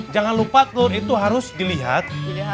jangan lupa telur itu harus dilihat